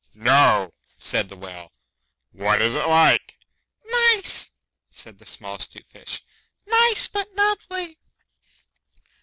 'No,' said the Whale. 'What is it like?' 'Nice,' said the small 'Stute Fish. 'Nice but nubbly.